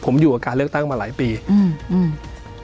ผมอยู่กับการเลือกตั้งมาหลายปีอืมอืม